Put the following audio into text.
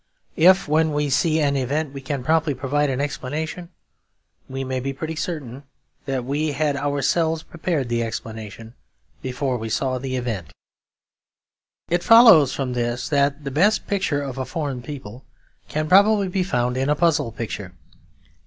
If when we see an event we can promptly provide an explanation, we may be pretty certain that we had ourselves prepared the explanation before we saw the event. It follows from this that the best picture of a foreign people can probably be found in a puzzle picture.